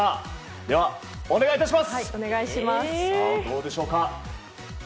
では、お願いいたします。